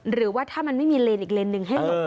หรือว่าถ้ามันไม่มีเลนอีกเลนสหนึ่งให้หลบ